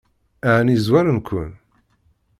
Ɛni zwaren-ken?